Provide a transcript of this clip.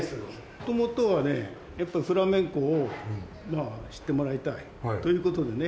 もともとはねやっぱりフラメンコをまあ知ってもらいたいという事でね